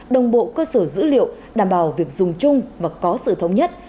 đồng bộ cơ sở dữ liệu đảm bảo việc dùng chung và có sự thống nhất